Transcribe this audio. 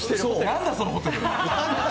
なんだ、そのホテル。